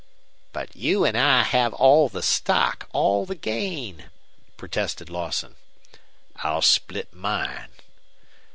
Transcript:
"But you and I have all the stock all the gain," protested Lawson. "I'll split mine."